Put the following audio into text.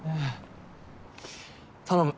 頼む。